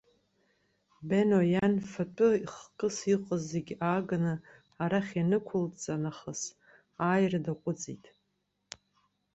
Бено иан, фатәы хкыс иҟаз зегьы ааганы арахь ианаақәылҵа нахыс ааира даҟәыҵит.